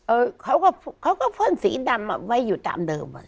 เออเขาก็เพิ่มสีดำไว้อยู่ตามเดิม